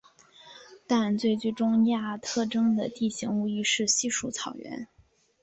但最具中亚特征的地形无疑是稀树草原。